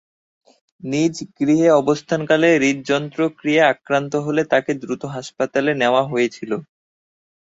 নিজ গৃহে অবস্থানকালে হৃদযন্ত্র ক্রীয়ায় আক্রান্ত হলে তাকে দ্রুত হাসপাতালে নেয়া হয়েছিল।